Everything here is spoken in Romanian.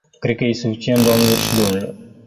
Cred că e suficient, doamnelor și domnilor.